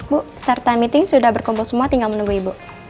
bu serta meeting sudah berkumpul semua tinggal menunggu ibu